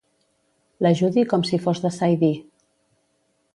L'ajudi com si fos de Saidí.